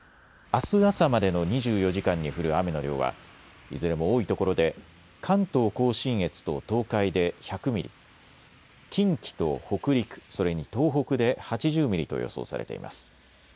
あす朝までの２４時間に降る雨の量はいずれも多いところで関東甲信越と東海で１００ミリ、近畿と北陸、それに東北で８０ミリと予想されています。